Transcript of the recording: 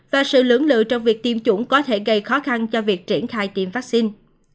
và sự lưỡng lự trong việc tiêm chủng có thể gây khó khăn cho việc triển khai tiêm vaccine